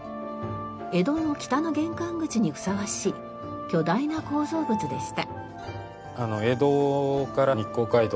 江戸の北の玄関口にふさわしい巨大な構造物でした。